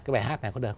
cái bài hát này có được